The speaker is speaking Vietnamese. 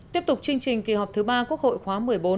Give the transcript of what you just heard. tiếp tục chương trình kỳ họp thứ ba quốc hội khóa một mươi bốn